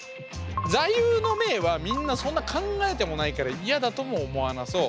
座右の銘はみんなそんな考えてもないから嫌だとも思わなそう。